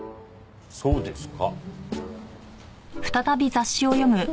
そうですか。